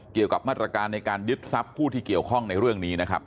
เกี่ยวกับมาตรการในการยึดทรัพย์ผู้ที่เกี่ยวข้องในเรื่องนี้นะครับ